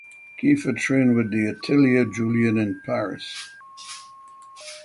Kiefer trained with the Atelier Julian in Paris.